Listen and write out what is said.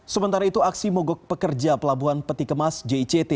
sementara itu aksi mogok pekerja pelabuhan peti kemas jict